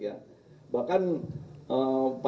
bahkan pak ridwan saya juga mengajukan